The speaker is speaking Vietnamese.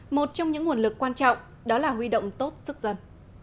một trong những nguồn lực quan trọng đó là huy động tốt sức dân